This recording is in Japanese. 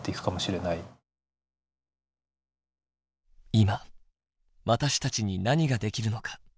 今私たちに何ができるのか。